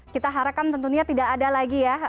kita harapkan tentunya tidak ada lagi ya